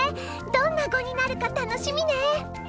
どんな碁になるか楽しみね。